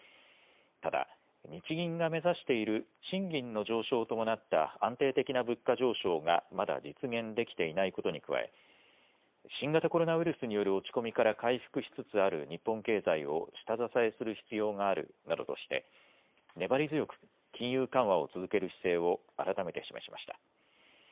ただ日銀が目指している賃金の上昇を伴った安定的な物価上昇がまだ実現できていないことに加え新型コロナウイルスによる落ち込みから回復しつつある日本経済を下支えする必要があるなどとして粘り強く金融緩和を続ける姿勢を改めて示しました。